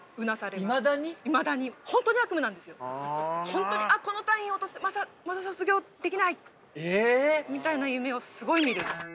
本当にこの単位落としてまたまた卒業できないみたいな夢をすごい見る。